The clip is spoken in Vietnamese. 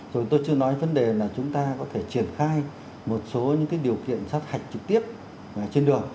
rồi tôi chưa nói vấn đề là chúng ta có thể triển khai một số những điều kiện sát hạch trực tiếp trên đường